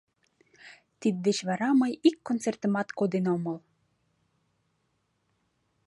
Тиддеч вара мый ик концертымат коден омыл.